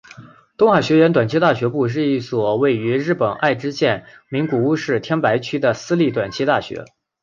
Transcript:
东海学园短期大学部是一所位于日本爱知县名古屋市天白区的私立短期大学。